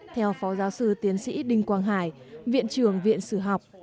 theo phó giáo sư tiến sĩ đinh quang hải viện trưởng viện sử học